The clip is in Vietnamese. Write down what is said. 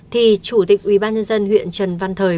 thì chủ tịch ubnd huyện trần văn thời